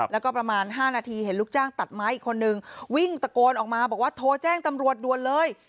แล้วก็ประมาณ๕นาทีเห็นลูกจ้างตัดไม้อีกคนนึงวิ่งตะโกนออกมาบอกว่าโทรแจ้งตำรวจด่วนเลย